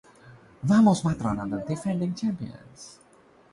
Vamos Mataram are the defending champions.